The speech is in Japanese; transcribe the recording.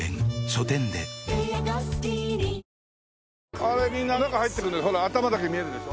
あれみんな中入っていくんだよほら頭だけ見えるでしょ。